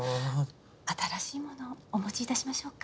新しいものをお持ち致しましょうか？